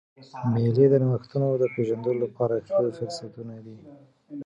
مېلې د نوښتو د پېژندلو له پاره ښه فرصتونه دي.